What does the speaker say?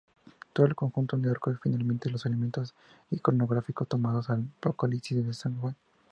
Todo el conjunto recoge fielmente los elementos iconográficos tomados el Apocalipsis de San Juan.